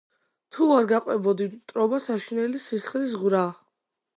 თუ არ გაყვებოდი, მტრობა საშინელი, სისხლისღვრა.